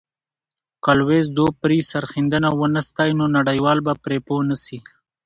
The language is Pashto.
که لويس دوپري یې سرښندنه ونه ستایي، نو نړیوال به پرې پوه نه سي.